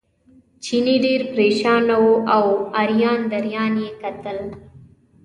چیني ډېر پرېشانه و او اریان دریان یې کتل.